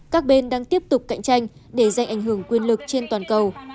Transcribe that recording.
các bên đang tiếp tục cạnh tranh để giành ảnh hưởng quyền lực trên toàn cầu